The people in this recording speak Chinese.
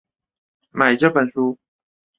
买这本书